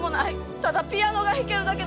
ただピアノが弾けるだけの。